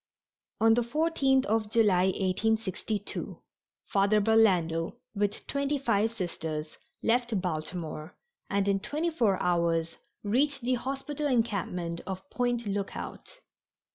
On the 14th of July, 1862, Father Burlando, with twenty five Sisters, left Baltimore, and in twenty four hours reached the hospital encampment of Point Lookout.